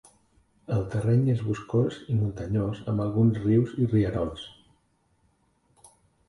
El terreny és boscós i muntanyós amb alguns rius i rierols.